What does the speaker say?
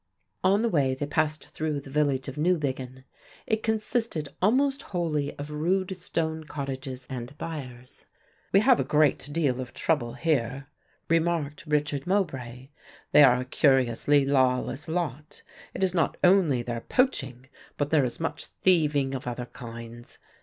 On the way they passed through the village of Newbiggin. It consisted almost wholly of rude stone cottages and byres. "We have a great deal of trouble here," remarked Richard Mowbray. "They are a curiously lawless lot; it is not only their poaching but there is much thieving of other kinds.